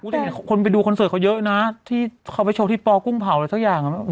แต่คนไปดูคอนเสิร์ตเขาเยอะนะที่เขาไปโชว์ที่ปกุ้งเผาอะไรสักอย่าง